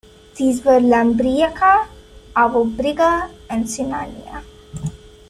These were Lambriaca, Avobriga, and Cinania.